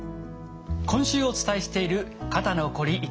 今週お伝えしている肩のこり